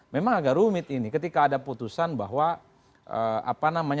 memang agak rumit ini ketika ada putusan bahwa